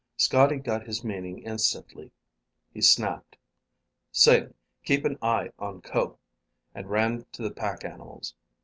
Scotty got his meaning instantly. He snapped, "Sing. Keep an eye on Ko," and ran to the pack animals.